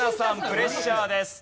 プレッシャーです。